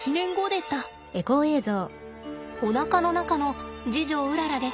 おなかの中の次女うららです。